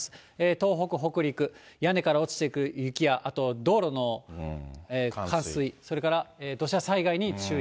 東北、北陸、屋根から落ちてくる雪や、あとは道路の冠水、それから土砂災害に注意。